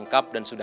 on air panggung